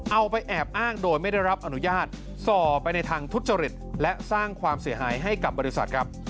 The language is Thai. เอาไปแอบอ้างโดยไม่ได้รับอนุญาตส่อไปในทางทุจริตและสร้างความเสียหายให้กับบริษัทครับ